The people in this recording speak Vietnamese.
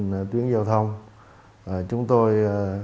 naughty đủ nó giao thông chúng tôi